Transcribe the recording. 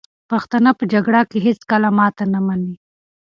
پښتانه په جګړه کې هېڅکله ماته نه مني.